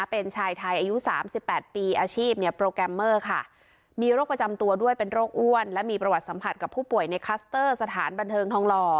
เป็นชายไทยอายุ๓๘ปีอาชีพเนี่ยโปรแกรมเมอร์ค่ะมีโรคประจำตัวด้วยเป็นโรคอ้วนและมีประวัติสัมผัสกับผู้ป่วยในคลัสเตอร์สถานบันเทิงทองหล่อ